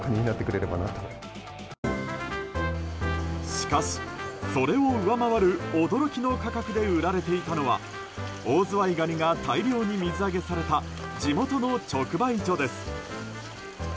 しかし、それを上回る驚きの価格で売られていたのはオオズワイガニが大量に水揚げされた地元の直売所です。